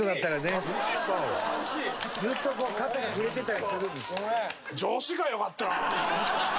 ずっとこう肩が触れてたりするんですよ。